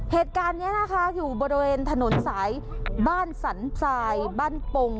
เหตุการณ์นี้นะคะอยู่บริเวณถนนสายบ้านสันทรายบ้านปง